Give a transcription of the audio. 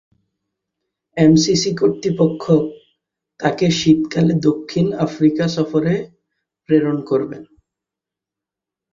MCC কর্তৃপক্ষ তাকে শীতকালে দক্ষিণ আফ্রিকা সফরে প্রেরণ করেন।